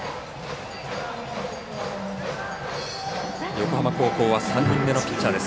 横浜高校は３人目のピッチャーです。